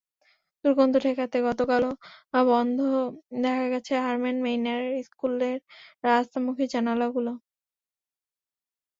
দুর্গন্ধ ঠেকাতে গতকালও বন্ধ দেখা গেছে হারমেন মেইনার স্কুলের রাস্তামুখী জানালাগুলো।